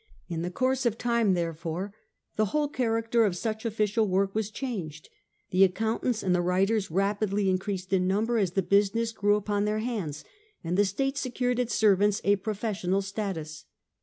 In the course of time, there wus follow* fore, the whole character of such official work ed by op was changed ; the accountants and the st^ctioL^on writers rapidly increased in number as the Civil business grew upon their hands, and the state secured its servants a professional status.